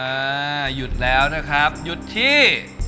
หยุดแล้วนะครับหยุดที่